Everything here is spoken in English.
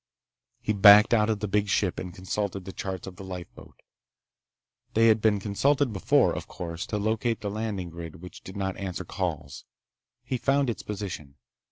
He backed out of the big ship and consulted the charts of the lifeboat. They had been consulted before, of course, to locate the landing grid which did not answer calls. He found its position.